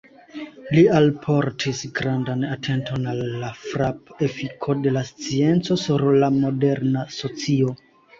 Li alportis grandan atenton al la frap-efiko de la scienco sur la moderna socio.